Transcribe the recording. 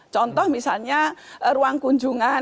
contoh misalnya ruang kunjung